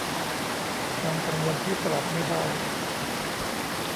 ความกังวลที่สลัดไม่ได้